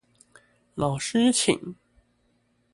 老師請